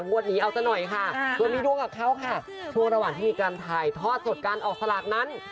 งวดนี้เอาซะหน่อยค่ะส่วนมีดวงกับเขาค่ะช่วงระหว่างที่มีการถ่ายทอดสดการออกสลากนั้น